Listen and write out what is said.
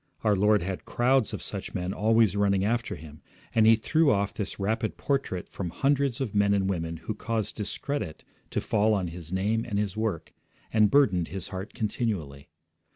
Our Lord had crowds of such men always running after Him, and He threw off this rapid portrait from hundreds of men and women who caused discredit to fall on His name and His work, and burdened His heart continually.